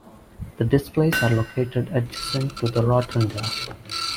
The displays are located adjacent to the rotunda.